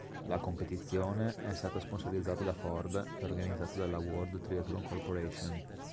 La competizione è stata sponsorizzata da "Ford" e organizzata dalla "World Triathlon Corporation".